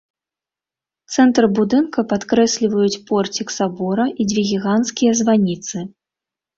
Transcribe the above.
Цэнтр будынка падкрэсліваюць порцік сабора і дзве гіганцкія званіцы.